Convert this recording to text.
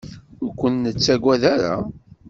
Ur ken-nettaggad ara.